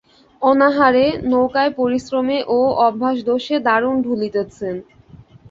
অনাহারে, নৌকার পরিশ্রমে ও অভ্যাসদোষে দারুণ ঢুলিতেছেন।